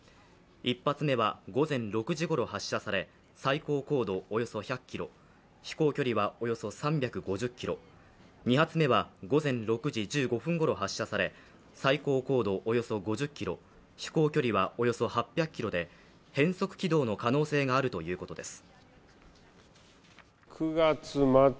１発目は午前６時ごろ発射され、最高高度およそ１００ｋｍ飛行距離はおよそ３５０ｋｍ２発目は午前６時１５分ごろ発射され最高高度およそ５０ｋｍ、飛行距離はおよそ８００ｋｍで変装軌道の可能性があるということです。